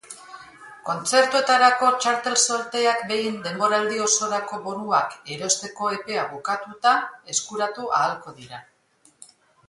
Kontzertuetarako txartel solteak behin denboraldi osorako bonuak erosteko epea bukatuta eskuratu ahalko dira.